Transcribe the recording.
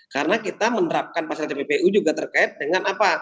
karena kita menerapkan pasal tppu juga terkait dengan apa